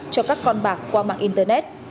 cho các con bạc qua mạng internet